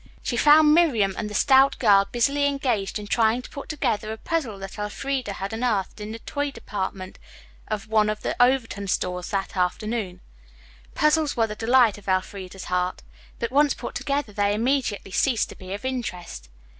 She found Miriam and the stout girl busily engaged in trying to put together a puzzle that Elfreda had unearthed in the toy department of one of the Overton stores that afternoon. Puzzles were the delight of Elfreda's heart. But, once put together, they immediately ceased to be of interest.